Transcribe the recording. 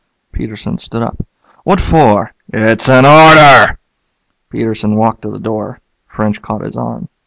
Peterson stood up. "What for?" "It's an order." Peterson walked to the door. French caught his arm.